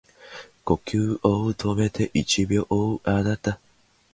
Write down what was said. なるべくなら動かずにおってやりたいと思ったが、さっきから小便が催している